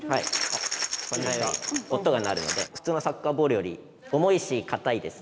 こんなように音が鳴るので普通のサッカーボールより重いし硬いです。